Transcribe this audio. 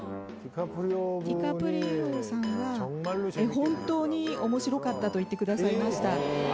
ディカプリオさんは本当におもしろかったと言ってくださいました。